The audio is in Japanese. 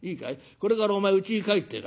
これからお前うちに帰ってだ